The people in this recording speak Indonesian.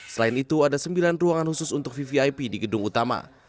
selain itu ada sembilan ruangan khusus untuk vvip di gedung utama